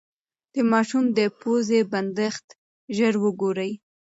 د ماشوم د پوزې بندښت ژر وګورئ.